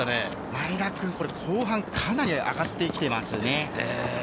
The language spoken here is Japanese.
前田くん、後半かなり上がってきていますね。